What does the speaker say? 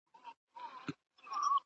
تر هغې پېښي وروسته خلک وډار سول.